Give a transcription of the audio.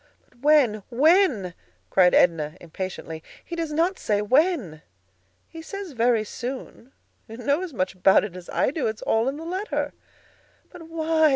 "But when, when?" cried Edna, impatiently. "He does not say when." "He says 'very soon.' You know as much about it as I do; it is all in the letter." "But why?